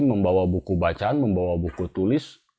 membawa buku bacaan membawa buku tulis